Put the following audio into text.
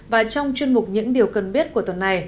và trong chuyên mục những điều cần biết của tuần này